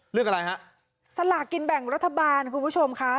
เรื่องอะไรฮะสลากกินแบ่งรัฐบาลคุณผู้ชมค่ะ